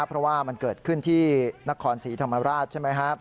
เพราะว่ามันเกิดขึ้นที่นครศรีธรรมราชใช่ไหมครับ